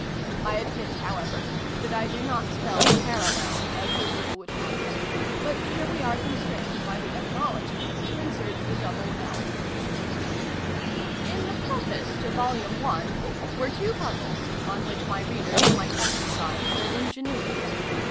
I admit, however, that I do not spell " parallel," as the rule would have it ; but here we are constrained, by the etymology, to insert the double " 1 ". In the Preface to Vol. I. were two puzzles, on which my readers might exercise their ingenuity.